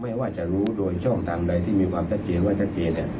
ไม่ว่าจะรู้โดยช่องต่างอะไรที่มีความจะเจนกว่าจะเจน